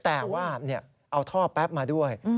แต่ว่าเอาท่อแป๊บมาด้วย